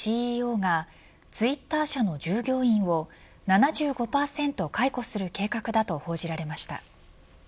ＣＥＯがツイッター社の従業員を７５％解雇する計画だと報じられました。